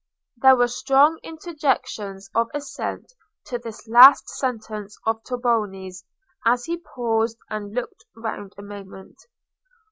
There were strong interjections of assent to this last sentence of Tornabuoni's, as he paused and looked round a moment.